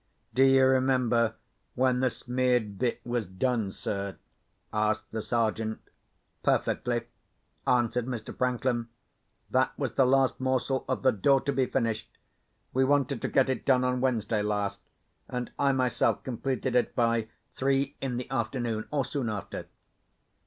"Do you remember when the smeared bit was done, sir?" asked the Sergeant. "Perfectly," answered Mr. Franklin. "That was the last morsel of the door to be finished. We wanted to get it done, on Wednesday last—and I myself completed it by three in the afternoon, or soon after."